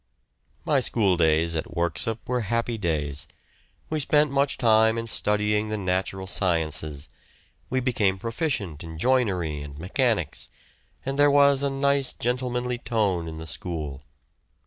My school days at Worksop were happy days. We spent much time in studying the natural sciences; we became proficient in joinery and mechanics; and there was a nice gentlemanly tone in the school.